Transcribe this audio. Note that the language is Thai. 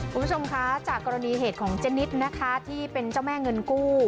คุณผู้ชมคะจากกรณีเหตุของเจนิดนะคะที่เป็นเจ้าแม่เงินกู้